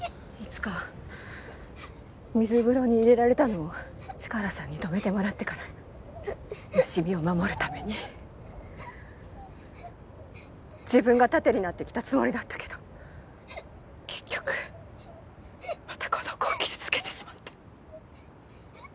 いつか水風呂に入れられたのをチカラさんに止めてもらってから好美を守るために自分が盾になってきたつもりだったけど結局またこの子を傷つけてしまって。